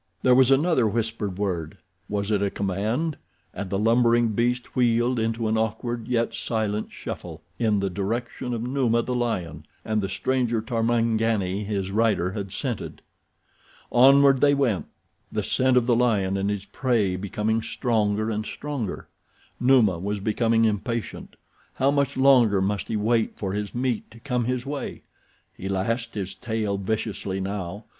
There was another whispered word—was it a command?—and the lumbering beast wheeled into an awkward, yet silent shuffle, in the direction of Numa, the lion, and the stranger Tarmangani his rider had scented. Onward they went, the scent of the lion and his prey becoming stronger and stronger. Numa was becoming impatient. How much longer must he wait for his meat to come his way? He lashed his tail viciously now.